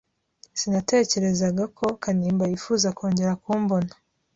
Sinatekerezaga ko Kanimba yifuza kongera kumbona.